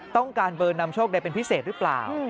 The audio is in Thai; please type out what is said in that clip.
ต้องการเบอร์นำโชคใดเป็นพิเศษหรือเปล่า